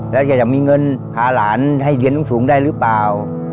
แล้วแกจะมีเงินพาหลานให้เรียนสูงได้หรือเปล่า